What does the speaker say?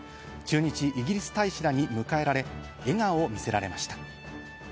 駐日イギリス大使らに迎えられ、笑顔を見せられました。